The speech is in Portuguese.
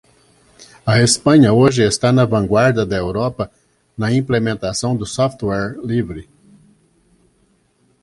A Espanha hoje está na vanguarda da Europa na implementação do software livre.